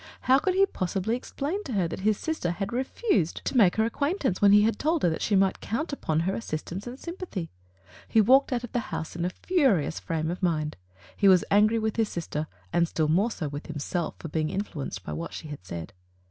How could he pos sibly explain to her that his sister had refused to Digitized by Google F. a PHILLIPS. $9 make her acquaintance when he had told her that she might count upon her assistance and sympa thy? He walked out of the house in a furious frame of mind. He was angry with his sister, and still more so with himself for being influ enced by what she had said.